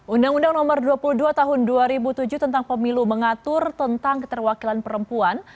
undang undang nomor dua puluh dua tahun dua ribu tujuh tentang pemilu mengatur tentang keterwakilan perempuan